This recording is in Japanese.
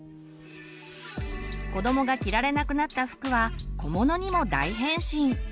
こどもが着られなくなった服は小物にも大変身！